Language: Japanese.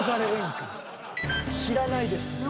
知らないです。